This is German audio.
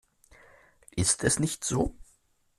Ist es nicht so?